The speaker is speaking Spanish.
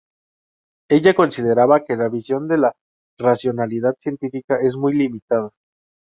Ella consideraba que la visión de la racionalidad científica es muy limitada.